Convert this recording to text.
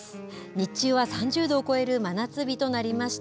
日中は３０度を超える真夏日となりました。